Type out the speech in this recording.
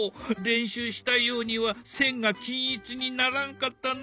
練習したようには線が均一にならんかったな。